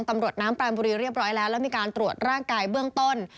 ตำรวจน้ำปรานบุรีเรียบร้อยแล้วแล้วมีการตรวจร่างกายเบื้องต้น